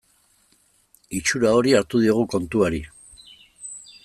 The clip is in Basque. Itxura hori hartu diogu kontuari.